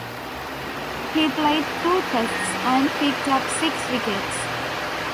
He played two tests and picked up six wickets.